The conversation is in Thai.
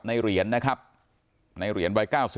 เหรียญนะครับในเหรียญวัย๙๐